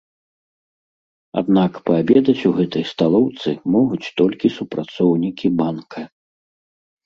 Аднак паабедаць у гэтай сталоўцы могуць толькі супрацоўнікі банка.